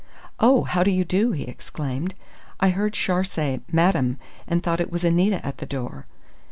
"Oh, how do you do?" he exclaimed. "I heard Char say 'Madame,' and thought it was Anita at the door."